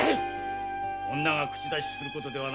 女が口出しすることではない。